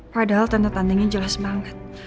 padahal tanda tandanya jelas banget